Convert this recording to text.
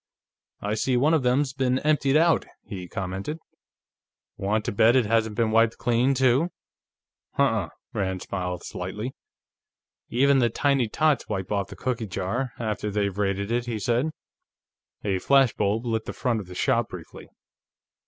"I see one of them's been emptied out," he commented. "Want to bet it hasn't been wiped clean, too?" "Huh unh." Rand smiled slightly. "Even the tiny tots wipe off the cookie jar, after they've raided it," he said. A flash bulb lit the front of the shop briefly.